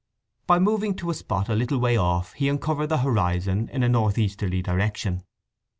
By moving to a spot a little way off he uncovered the horizon in a north easterly direction.